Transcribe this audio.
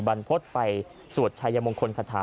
บรรพฤษไปสวดชายมงคลคาถา